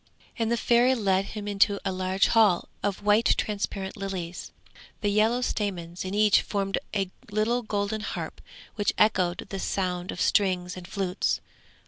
And the Fairy led him into a large hall of white transparent lilies, the yellow stamens in each formed a little golden harp which echoed the sound of strings and flutes.